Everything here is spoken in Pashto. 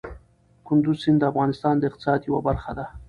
کندز سیند د افغانستان د اقتصاد یوه برخه ده.